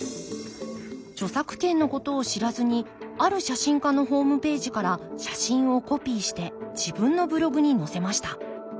著作権のことを知らずにある写真家のホームページから写真をコピーして自分のブログに載せました。